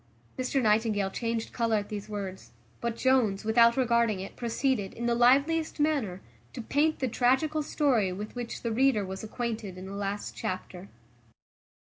Mr Nightingale changed colour at these words; but Jones, without regarding it, proceeded, in the liveliest manner, to paint the tragical story with which the reader was acquainted in the last chapter.